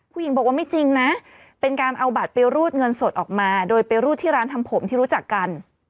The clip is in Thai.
ผู้หญิงบอกว่าไม่จริงนะเป็นการเอาบัตรไปรูดเงินสดออกมาโดยไปรูดที่ร้านทำผมที่รู้จักกัน